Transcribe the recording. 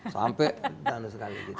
sampai danu sekali gitu